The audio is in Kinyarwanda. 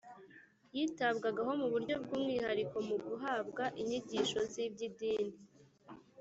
Yitabwagaho mu buryo bw’umwihariko mu guhabwa inyigisho z’iby’idini